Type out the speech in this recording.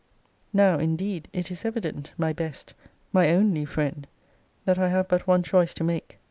Now indeed it is evident, my best, my only friend, that I have but one choice to make.